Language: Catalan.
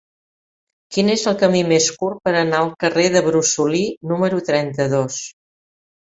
Quin és el camí més curt per anar al carrer del Brosolí número trenta-dos?